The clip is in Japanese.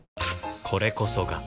これこそが